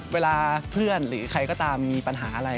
เวลาเพื่อนหรือใครก็ตามมีปัญหาอะไร